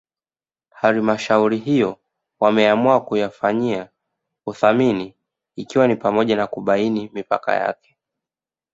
Halmshauri hiyo wameamua kuyafanyia uthamini ikiwa ni pamoja na kubaini mipaka yake